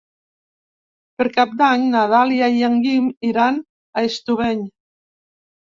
Per Cap d'Any na Dàlia i en Guim iran a Estubeny.